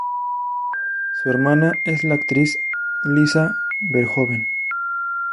Su hermana es la actriz Lisa Verhoeven.